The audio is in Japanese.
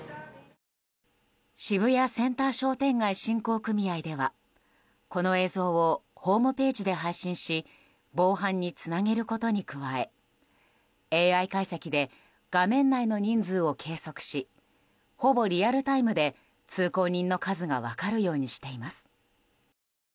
渋谷センター商店街振興組合ではこの映像をホームページで配信し防犯につなげることに加えＡＩ解析で画面内の人数を計測しほぼリアルタイムで通行人の数が分かるようにしています。